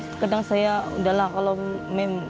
iya kadang saya udahlah kalau mem